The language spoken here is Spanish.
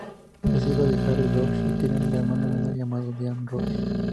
Es hijo de Harry Roche y tiene un hermano menor llamado, Dean Roche.